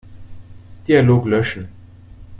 Dialog löschen.